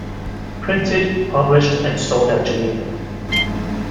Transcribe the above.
Printed, published and sold at Geneva.